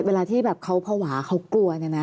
เวลาที่เขาภาวะเขากลัว